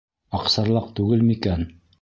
Аҡсарлаҡ түгел микән?